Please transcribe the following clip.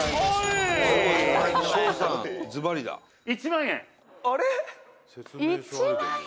「１万円？」